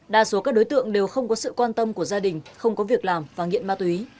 đa số các đối tượng đều không có sự quan tâm của gia đình không có việc làm và nghiện ma túy